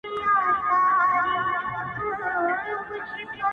o هغې په نيمه شپه ډېـــــوې بلــــي كړې؛